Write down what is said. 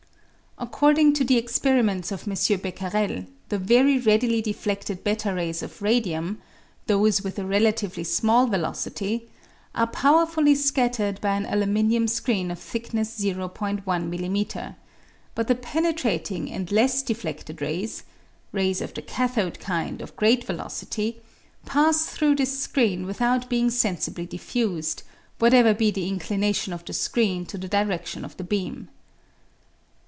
According to the experiments of M. Becquerel, the very readily defledled j3 rays of radium (those with a relatively small velocity) are powerfully scattered by an aluminium screen of thickness o i m.m. ; but the penetrating and less defledled rays (rays of the cathode kind of great velocity) pass through this screen without being sensibly diffused, whatever be the inclination of the screen to the diredlion of the beam. The